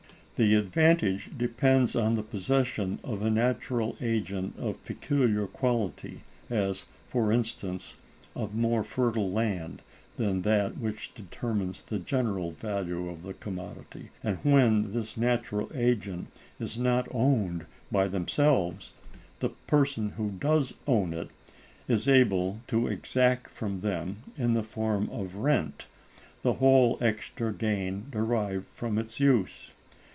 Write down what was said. The advantage depends on the possession of a natural agent of peculiar quality, as, for instance, of more fertile land than that which determines the general value of the commodity; and when this natural agent is not owned by themselves, the person who does own it is able to exact from them, in the form of rent, the whole extra gain derived from its use.